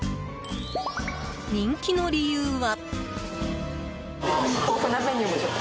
人気の理由は。